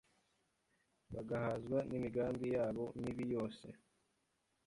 bagahazwa n’imigambi yabo mibi yose